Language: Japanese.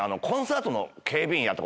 コンサートの警備員。